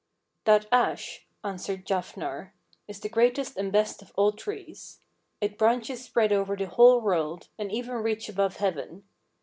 "That ash," answered Jafnhar, "is the greatest and best of all trees. Its branches spread over the whole world, and even reach above heaven.